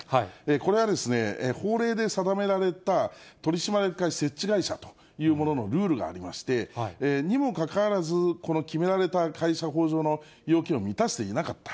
これは法令で定められた取締役会設置会社というもののルールがありまして、にもかかわらず、この決められた会社法上の要件を満たしていなかった。